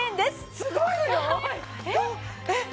すごいよ！えっ！？